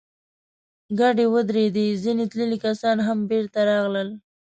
کډې ودرېدې، ځينې تللي کسان هم بېرته راغلل.